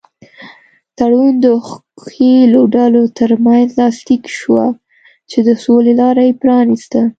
تړون د ښکېلو ډلو تر منځ لاسلیک شوه چې د سولې لاره یې پرانیسته.